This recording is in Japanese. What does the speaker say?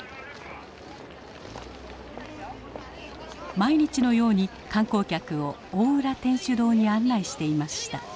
毎日のように観光客を大浦天主堂に案内していました。